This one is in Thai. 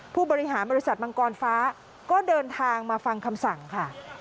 ผู้บริหารบริษัทมังกรฟ้าก็เดินทางมาฟังคำสั่งค่ะ